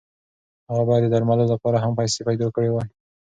هغه باید د درملو لپاره هم پیسې پیدا کړې وای.